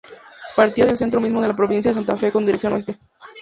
Partía del centro mismo de la provincia de Santa Fe con dirección oeste.